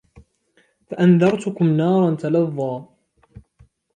فَأَنْذَرْتُكُمْ نَارًا تَلَظَّى